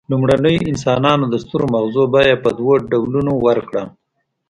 لومړنیو انسانانو د سترو مغزو بیه په دوو ډولونو ورکړه.